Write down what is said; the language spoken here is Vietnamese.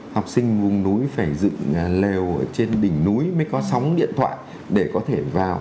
học sinh vùng núi phải dựng lều trên đỉnh núi mới có sóng điện thoại để có thể vào